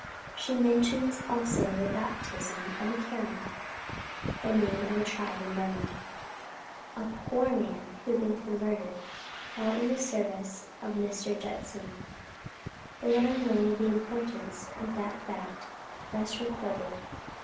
She mentions also the baptism of a Karen, (the name of a tribe in Burmah,) "a poor man, who had been converted while in the service of Mr. Judson;" little knowing the importance of the fact thus recorded.